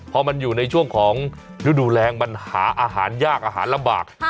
พอมันอยู่ในช่วงของฤดูแรงมันหาอาหารยากอาหารลำบาก